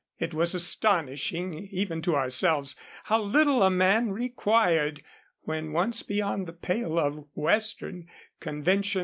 It was astonishing even to ourselves how little a man required when once beyond the pale of Western conventionalities.